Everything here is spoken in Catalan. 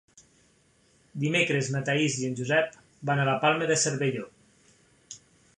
Dimecres na Thaís i en Josep van a la Palma de Cervelló.